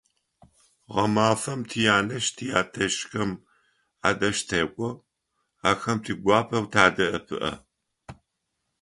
Гъэмэфэм тянэжъ-тятэжъхэм адэжь тэкӀо, ахэм тигуапэу тадэӀэпыӀэ.